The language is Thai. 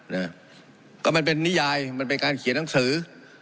นะก็มันเป็นนิยายมันเป็นการเขียนหนังสือ